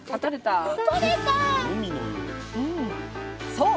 そう！